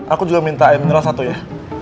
aku juga minta e mineral satu ya